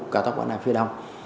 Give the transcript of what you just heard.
cao tốc bắc nam phía đông